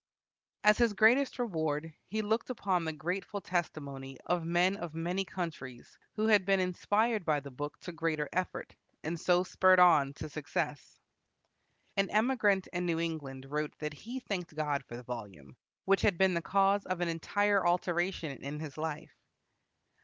As his greatest reward he looked upon the grateful testimony of men of many countries who had been inspired by the book to greater effort, and so spurred on to success. An emigrant in New England wrote that he thanked God for the volume, which had been the cause of an entire alteration in his life.